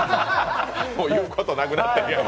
もう言うことなくなったけど。